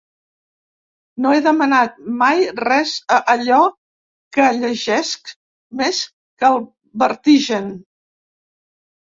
No he demanat mai res a allò que llegesc més que el vertigen.